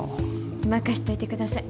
任しといてください。